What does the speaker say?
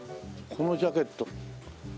このジャケット。